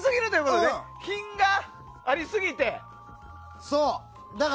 品がありすぎて。